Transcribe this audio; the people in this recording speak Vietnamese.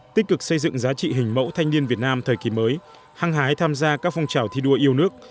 tích cực xây dựng giá trị hình mẫu thanh niên việt nam thời kỳ mới hăng hái tham gia các phong trào thi đua yêu nước